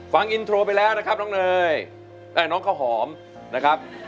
ฟังอินโทรไปแล้วนะครับน้องเนยน้องข้าวหอมนะครับ